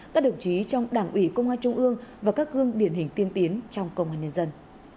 các đồng chí trong đảng ủy công an trung ương và các gương điển hình tiên tiến trong công an nhân dân